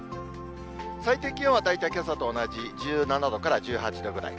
最低気温は大体けさと同じ、１７度から１８度ぐらい。